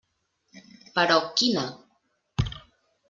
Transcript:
Però quina?